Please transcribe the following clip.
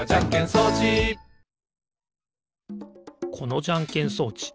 このじゃんけん装置